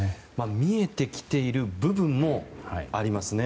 見えてきている部分もありますね。